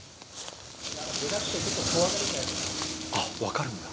あっ分かるんだ。